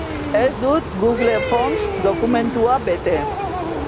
Ez dut Google forms dokumentua bete.